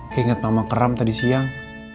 kayak inget mama keram tadi siang